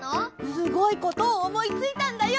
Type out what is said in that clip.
すごいことをおもいついたんだよ！